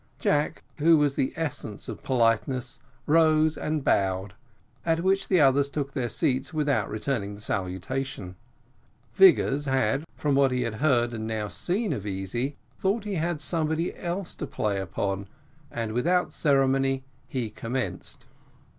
Jack, who was the essence of politeness, rose and bowed, at which the others took their seats, without returning the salutation. Vigors had, from what he had heard and now seen of Easy, thought he had somebody else to play upon, and without ceremony he commenced.